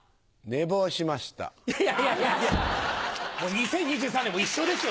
２０２３年も一緒ですよ